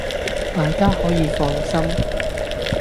大家可以放心！